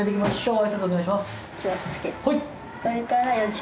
挨拶お願いします。